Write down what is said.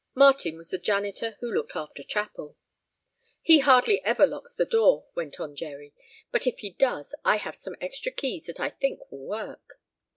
(Martin was the janitor who looked after chapel.) "He hardly ever locks the door," went on Jerry, "but if he does I have some extra keys that I think will work.